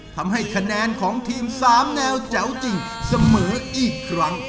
ทำให้คะแนนของทีม๓แนวแจ๋วจริงเสมออีกครั้ง